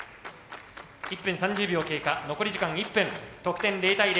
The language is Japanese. １分３０秒経過残り時間１分得点０対０。